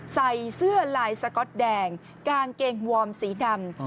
ใส่เสื้อลายสก๊อตแดงกางเกงวอร์มสีดำ